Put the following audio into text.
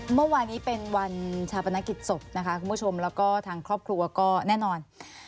เมื่อวานนี้เป็นวันชาปนกิจศพนะคะคุณผู้ชมแล้วก็ทางครอบครัวก็แน่นอน